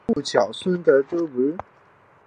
白腹隼雕为鹰科真雕属的鸟类。